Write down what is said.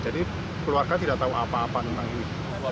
keluarga tidak tahu apa apa tentang ini